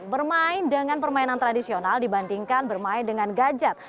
bermain dengan permainan tradisional dibandingkan bermain dengan gadget